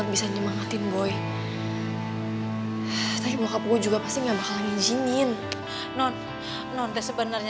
aku gak mau kamu kenapa napa boy